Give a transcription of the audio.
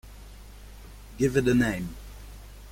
Give it a name.